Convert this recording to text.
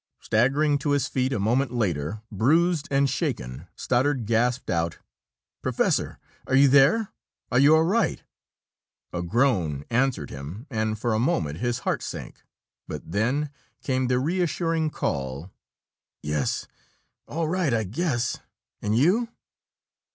Staggering to his feet a moment later, bruised and shaken, Stoddard gasped out: "Professor are you there? Are you all right?" A groan answered him, and for a moment his heart sank, but then came the reassuring call: "Yes all right, I guess. And you?"